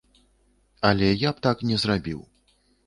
Але я б так не зрабіў.